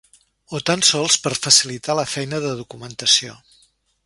O tan sols per facilitar la feina de documentació.